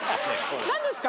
何ですか？